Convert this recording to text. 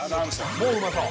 ◆もう、うまそう。